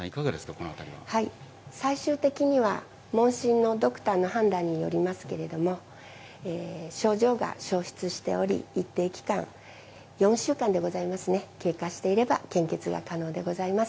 このあた最終的には、問診のドクターの判断によりますけれども、症状が消失しており一定期間、４週間でございますね、経過していれば献血が可能でございます。